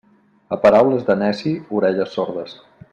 A paraules de neci, orelles sordes.